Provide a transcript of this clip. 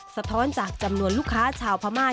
สะท้อนจากจำนวนลูกค้าชาวพม่า